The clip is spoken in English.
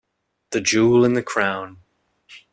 The jewel in the crown.